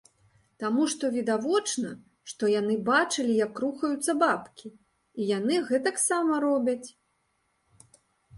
Таму што відавочна, што яны бачылі, як рухаюцца бабкі, і яны гэтаксама робяць.